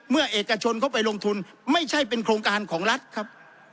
เอกชนเข้าไปลงทุนไม่ใช่เป็นโครงการของรัฐครับ